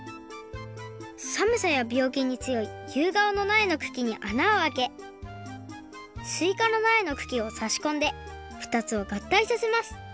さむさやびょうきにつよいゆうがおのなえのくきにあなをあけすいかのなえのくきをさしこんでふたつをがったいさせます。